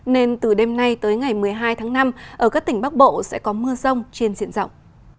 nên từ đêm nay tới ngày một mươi hai tháng năm ở các tỉnh bắc bộ sẽ có mưa rông trên diện rộng